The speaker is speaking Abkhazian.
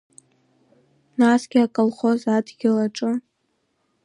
Насгьы аколхоз адгьыл аҿы?